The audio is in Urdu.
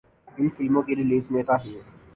ان فلموں کی ریلیز میں تاخیر